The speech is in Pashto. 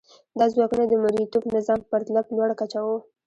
دا ځواکونه د مرئیتوب نظام په پرتله په لوړه کچه وو.